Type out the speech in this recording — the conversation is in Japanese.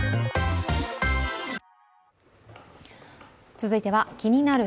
続いては「気になる！